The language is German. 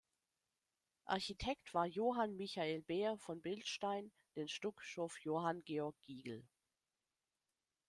Architekt war Johann Michael Beer von Bildstein den Stuck schuf Johann Georg Gigl.